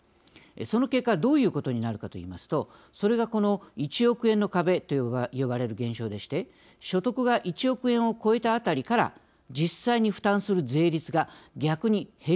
その結果どういうことになるかといいますとそれがこの１億円の壁と呼ばれる現象でして所得が１億円を超えたあたりから実際に負担する税率が逆に減り始めます。